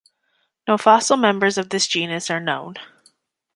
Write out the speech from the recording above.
No fossil members of this genus are known.